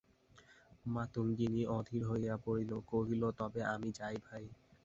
মাতঙ্গিনী অধীর হইয়া পড়িল, কহিল, তবে আমি যাই ভাই।